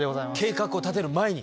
計画を立てる前に。